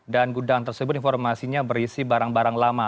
dan gudang tersebut informasinya berisi barang barang lama